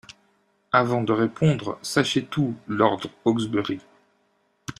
«Avant de répondre, sachez tout, lord Hawksbury.